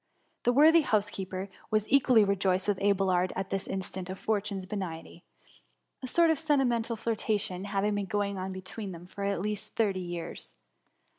'' The worthy, housekeeper was equally ' re joiced with Abelard at this instance of Fortune's benignity ; a sort of sentimental flirtation hav ing been going on between them for the last THE MUMMY. 61 thirty years.